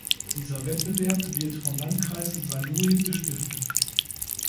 Dieser Wettbewerb wird vom Landkreis Saarlouis gestiftet.